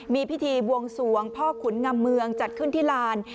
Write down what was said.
มีพิธีบวงสวงพ่อขุนงำเมืองจัดขึ้นที่ลาน